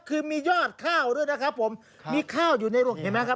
คือมียอดข้าวด้วยนะครับผมมีข้าวอยู่ในรถเห็นไหมครับ